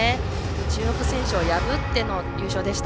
中国選手を破っての優勝でした。